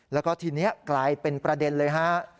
แล้วก็ทีนี้กลายเป็นประเด็นเลยฮะ